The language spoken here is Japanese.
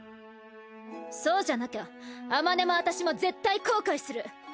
そうじゃなきゃあまねも私も絶対後悔する！